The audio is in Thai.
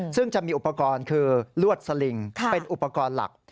ซึ่งจะมีอุปกรณ์คือลวดสลิงเป็นอุปกรณ์หลัก